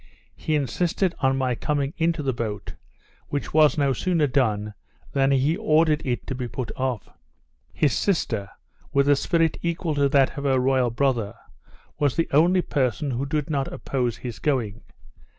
He insisted on my coming into the boat, which was no sooner done than he ordered it to be put off. His sister, with a spirit equal to that of her royal brother, was the only person who did not oppose his going.